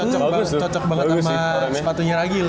cocok banget sama sepatunya ragil